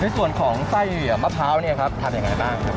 ในส่วนของไส้มะพร้าวเนี่ยครับทำยังไงบ้างครับ